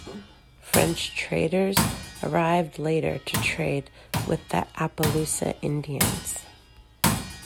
French traders arrived later to trade with the Appalousa Indians.